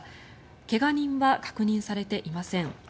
怪我人は確認されていません。